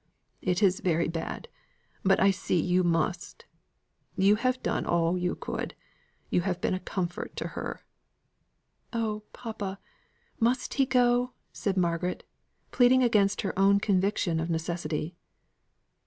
It is very bad but I see you must. You have done all you could you have been a comfort to her." "Oh, papa, must he go?" said Margaret, pleading against her own conviction of necessity.